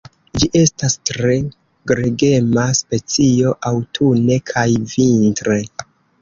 Ĝi estas tre gregema specio aŭtune kaj vintre.